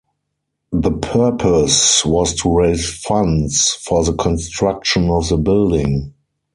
The purpose was to raise funds for the construction of the building.